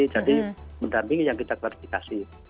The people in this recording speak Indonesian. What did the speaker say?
jadi mendampingi yang kita klarifikasi